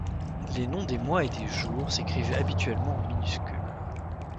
Les noms des mois et des jours s’écrivent habituellement en minuscules.